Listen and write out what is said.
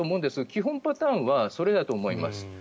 基本パターンはそれだと思います。